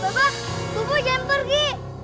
baba bobo jangan pergi